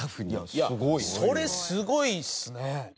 それすごいっすね。